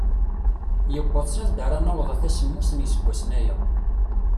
Yewweḍ s anda ara naweḍ ata semmus n yiseggasen aya.